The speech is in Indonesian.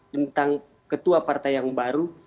tentang ketua partai yang baru